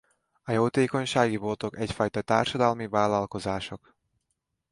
A jótékonysági boltok egyfajta társadalmi vállalkozások.